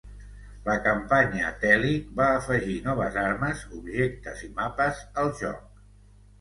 La Campanya Telic va afegir noves armes, objectes i mapes al joc.